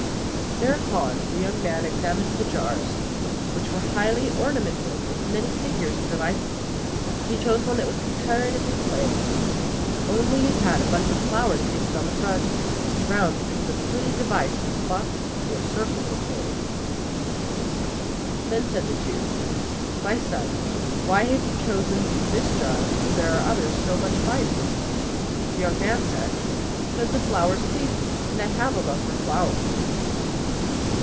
Thereupon the young man examined the jars, which were highly ornamented with many figures and devices; but he chose one that was comparatively plain; only it had a bunch of flowers painted on the front, round which was a pretty device in spots or circles of gold. Then said the Jew, "My son, why have you chosen this jar, when there are others so much finer?" The young man said, "Because the flowers please me, and I have a love for flowers."